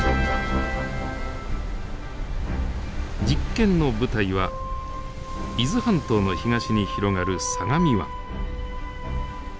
実験の舞台は伊豆半島の東に広がる相模湾。